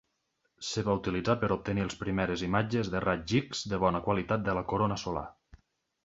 Es va utilitzar per obtenir les primeres imatges de raigs X de bona qualitat de la corona solar.